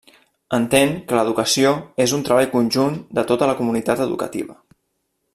Entén que l'educació és un treball conjunt de tota la comunitat educativa.